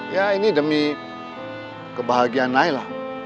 ya ini demi kebahagiaan nailah